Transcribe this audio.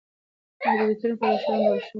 محدودیتونه په روښانه ډول وښایئ.